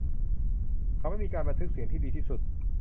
เขาไม่มีการบันทึกเสียงที่ดีที่สุด